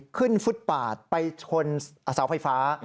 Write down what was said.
ขึ้นฟุตปาดไปถนสาวไฟฟ้า